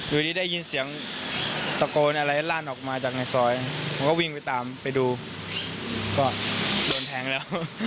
อยู่ดีได้ยินเสียงตะโกนอะไรลั่นออกมาจากในซอยผมก็วิ่งไปตามไปดูก็โดนแทงแล้ว